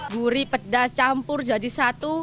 gurih pedas campur jadi satu